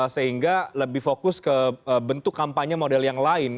sehingga lebih fokus ke bentuk kampanye model yang lain